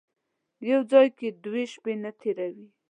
یو ځای کې دوې شپې نه تېروي.